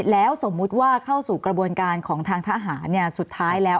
แล้วสมมุติว่าเข้าสู่กระบวนการของทางทหารสุดท้ายแล้ว